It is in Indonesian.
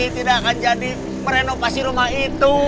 tidak akan jadi merenovasi rumah itu